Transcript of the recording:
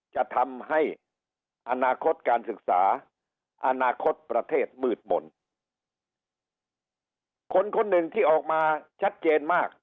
จะทำให้อนาคตการศึกษาอนาคตประเทศมืดมนต์คนคนหนึ่งที่ออกมาชัดเจนมาก